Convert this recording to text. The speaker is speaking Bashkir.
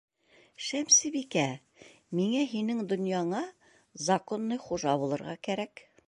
Шәмсебикә, миңә һинең донъяңа законный хужа булырға кәрәк.